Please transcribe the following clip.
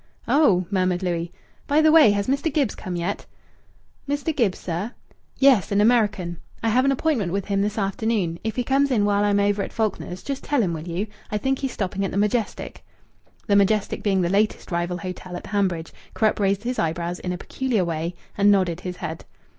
"Oh!" murmured Louis. "By the way, has Mr. Gibbs come yet?" "Mr. Gibbs, sir?" "Yes, an American. I have an appointment with him this afternoon. If he comes in while I am over at Faulkner's just tell him, will you? I think he's stopping at the Majestic." The Majestic being the latest rival hotel at Hanbridge, Krupp raised his eyebrows in a peculiar way and nodded his head.